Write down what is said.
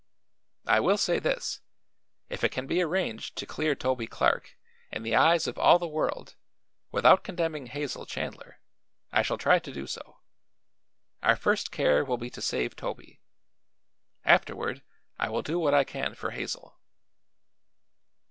I will say this: if it can be arranged to clear Toby Clark in the eyes of all the world without condemning Hazel Chandler, I shall try to do so. Our first care will be to save Toby; afterward I will do what I can for Hazel."